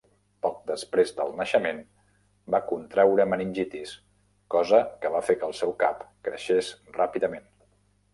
Poc després del naixement va contreure meningitis, cosa que va fer que el seu cap creixés ràpidament.